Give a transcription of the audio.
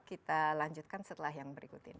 kita lanjutkan setelah yang berikut ini